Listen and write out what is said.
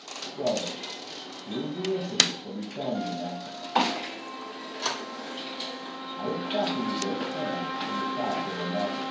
"Well, then! Here is the incident that befell me in Africa. "I was crossing the great sands to the south of Onargla.